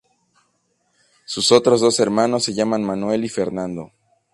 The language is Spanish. Sus otros dos hermanos se llaman Manuel y Fernando.